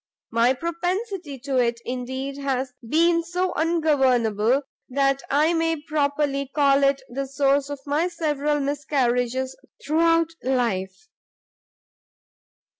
My propensity to it, indeed, has been so ungovernable, that I may properly call it the source of my several miscarriages throughout life.